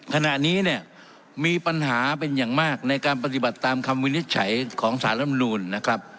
ขณะนี้เนี่ยมีปัญหาเป็นอย่างมากในการปฏิบัติตามคำวินิจฉัยของสารลำนูนนะครับ